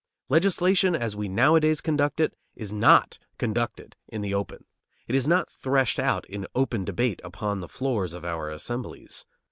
Legislation, as we nowadays conduct it, is not conducted in the open. It is not threshed out in open debate upon the floors of our assemblies.